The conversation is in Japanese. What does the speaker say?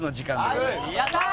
やったー！